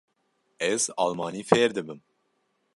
Ez almanî fêr dibim.